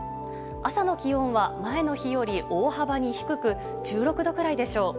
朝の気温は前の日より大幅に低く１６度くらいでしょう。